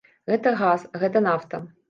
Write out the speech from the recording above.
Гэта газ, гэта нафта.